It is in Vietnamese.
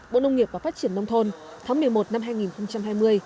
bộ nông nghiệp và phát triển nông thôn tháng một mươi một năm hai nghìn hai mươi